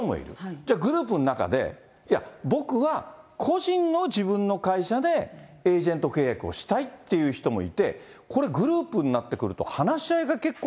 じゃあグループの中で、いや、僕は個人の自分の会社でエージェント契約したいって人もいて、これ、グループになってくると話し合いが結構。